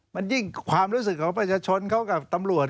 มันยิ่งความรู้สึกของประชาชนเขากับตำรวจ